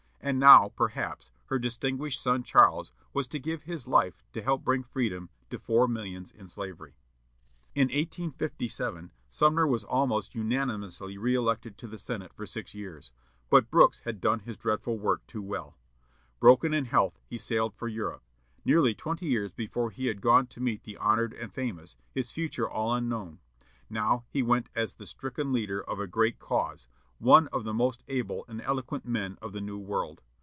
And now, perhaps, her distinguished son Charles was to give his life to help bring freedom to four millions in slavery. In 1857 Sumner was almost unanimously reëlected to the Senate for six years, but Brooks had done his dreadful work too well. Broken in health, he sailed for Europe. Nearly twenty years before he had gone to meet the honored and famous, his future all unknown; now he went as the stricken leader of a great cause, one of the most able and eloquent men of the new world.